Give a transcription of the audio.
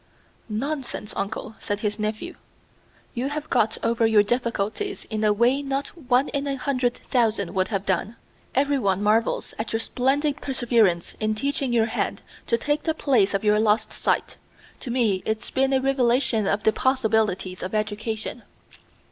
"Nonsense, uncle!" said his nephew. "You have got over your difficulties in a way not one in a hundred thousand would have done. Every one marvels at your splendid perseverance in teaching your hand to take the place of your lost sight. To me it's been a revelation of the possibilities of education."